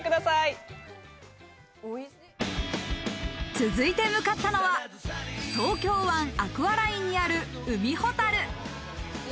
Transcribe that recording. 続いて向かったのは東京湾アクアラインにある海ほたる。